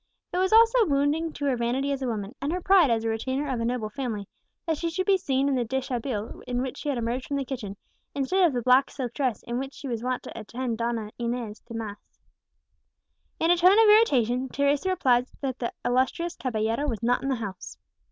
It was also wounding to her vanity as a woman, and her pride as a retainer of a noble family, that she should be seen in the deshabille in which she had emerged from the kitchen, instead of the black silk dress in which she was wont to attend Donna Inez to mass. In a tone of irritation Teresa replied that the illustrious caballero was not in the house.